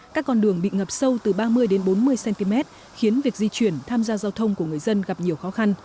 các con đường bị ngập sâu từ ba mươi đến bốn mươi cm khiến việc di chuyển tham gia giao thông của người dân gặp nhiều khó khăn